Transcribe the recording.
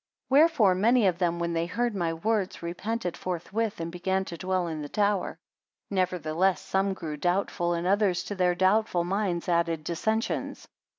76 Wherefore many of them when they heard my words, repented forthwith, and began to dwell in the tower. Nevertheless some grew doubtful, and others to their doubtful minds added dissensions.